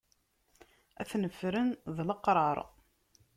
Ad ten-ffren d leqrar.